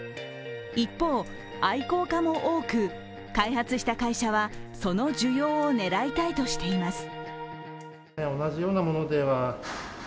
一方、愛好家も多く、開発した会社はその需要を狙いたいとしています。